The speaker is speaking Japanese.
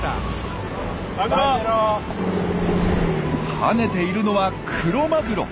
跳ねているのはクロマグロ。